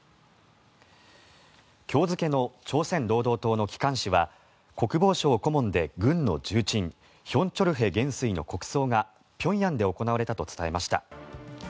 今日付の朝鮮労働党の機関紙は国防省顧問で軍の重鎮ヒョン・チョルヘ元帥の国葬が平壌で行われたと伝えました。